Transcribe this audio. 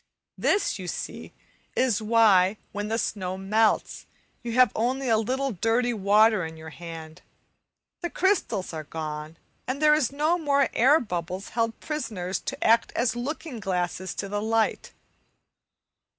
This, you see, is why, when the snow melts, you have only a little dirty water in your hand; the crystals are gone and there are no more air bubbles held prisoners to act as looking glasses to the light.